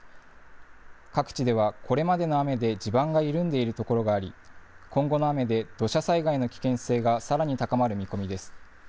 各地では、これまでの雨で地盤が緩んでいる所があり、今後の雨で土砂災害の危険性がさらに高まる見込みです。